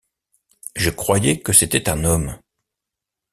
Je croyais que c’était un homme.